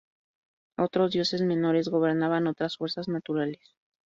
Otros dioses menores gobernaban otras fuerzas naturales.